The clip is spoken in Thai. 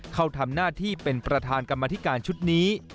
เข้าทำหน้าที่เป็นประธานกรรมธิการชุดนี้